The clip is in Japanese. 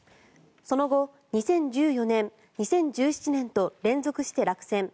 その後２０１４年、２０１７年と連続して落選。